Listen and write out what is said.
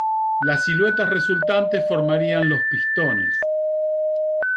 Las siluetas resultantes formarían los "Pistones".